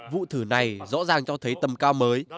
vụ thử này rõ ràng cho thấy tầm cao mới